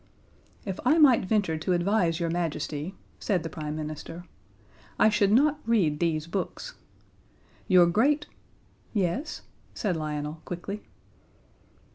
"If I might venture to advise Your Majesty," said the Prime Minister, "I should not read these books. Your great " "Yes?" said Lionel, quickly.